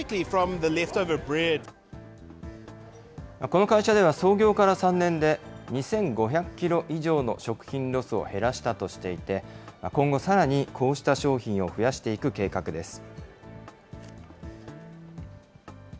この会社では、創業から３年で、２５００キロ以上の食品ロスを減らしたとしていて、今後、さらにこうした商品を増やしていく計画です。